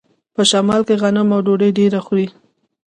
په شمال کې غنم او ډوډۍ ډیره خوري.